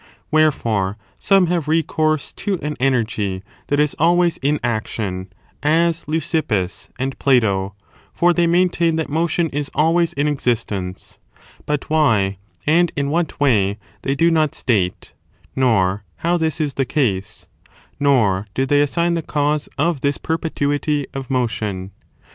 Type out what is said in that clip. Wherefore, some have recourse to an energy ^ that is always in action, as Leucippus and Plato; Platonic dogma for they maintain that motion is always in exist moSonl* ence : but why, and in what way, they do not state, nor how this is the case; nor do they assign the cause of this perpetuity of motion.